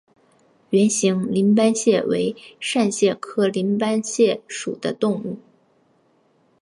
圆形鳞斑蟹为扇蟹科鳞斑蟹属的动物。